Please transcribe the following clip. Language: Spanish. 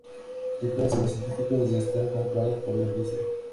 Se acusó a los científicos de estar comprados por la industria.